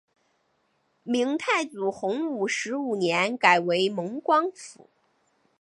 明太祖洪武十五年改为蒙光府。